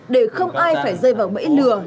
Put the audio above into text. để không ai phải rơi vào bẫy đường